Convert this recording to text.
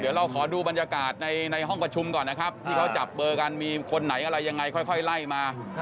เดี๋ยวเราขอดูบรรยากาศในห้องประชุมก่อนนะครับที่เขาจับเบอร์กันมีคนไหนอะไรยังไงค่อยไล่มา